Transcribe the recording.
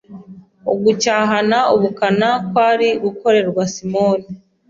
Ugucyahana ubukana kwari gukorerwa Simoni